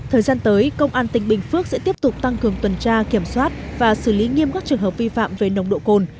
thời gian tới công an tỉnh bình phước sẽ tiếp tục tăng cường tuần tra kiểm soát và xử lý nghiêm các trường hợp vi phạm về nồng độ cồn